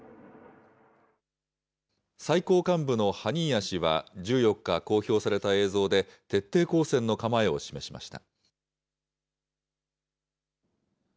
最高幹部のハニーヤ氏は１４日、公表された映像で、徹底抗戦の構えを示しました。